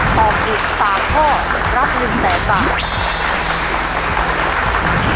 ตอบถูก๓ข้อรับ๑แสนบาท